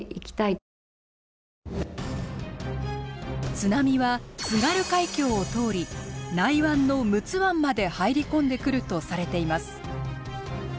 津波は津軽海峡を通り内湾の陸奥湾まで入り込んでくるとされています。